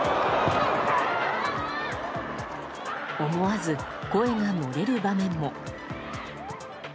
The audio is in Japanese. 思わず声が漏れる場面も。